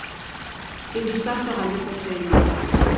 Hivi sasa haliko tena